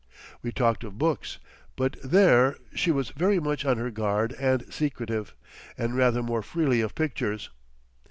We talked of books, but there she was very much on her guard and secretive, and rather more freely of pictures.